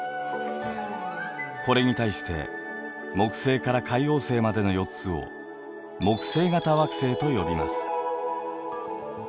これに対して木星から海王星までの４つを木星型惑星と呼びます。